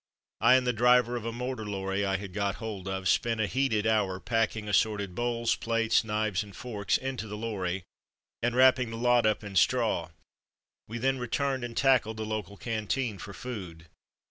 I and the driver of a motor lorry I had got hold of spent a heat ed hour packing assorted bowls, plates, knives, and forks into the lorry, and wrapping the lot up in straw. We then re turned and tackled the local canteen for food.